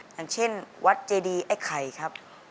อย่างเช่นวัดเจดีไอ้ไข่ครับ